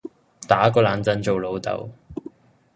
打個冷震做老豆